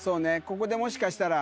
ここでもしかしたら。